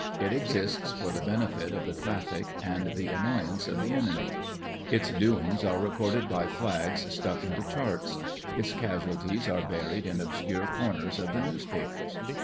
It exists for the benefit of the traffic and the annoy ance of the enemy. Its doings are recorded by flags stuck into charts; its casualties are buried in obscure corners of the newspapers.